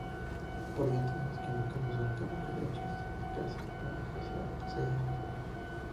Por ello entendemos que nunca usó carruaje, de hechos casi nadie poseía uno.